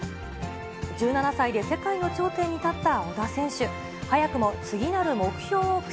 １７歳で世界の頂点に立った小田選手。